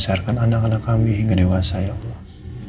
supaya kami bisa membesarkan anak anak kami hingga dewasa ya allah